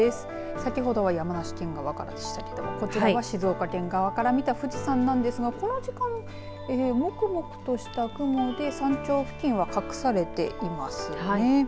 先ほどは山梨県側からでしたがこちらは静岡県側から見た富士山なんですがこの時間もくもくとした雲で山頂付近は隠されていますね。